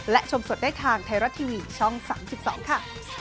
และชมสดได้ทางไทยรัฐทีวีช่อง๓๒ค่ะ